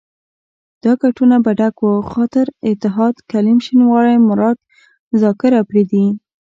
دا کټونه به ډک وو، خاطر، اتحاد، کلیم شینواری، مراد، زاکر اپرېدی.